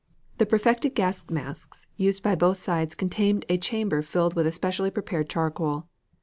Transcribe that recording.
The perfected gas masks used by both sides contained a chamber filled with a specially prepared charcoal.